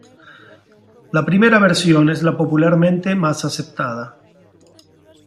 La primera versión es la popularmente más aceptada.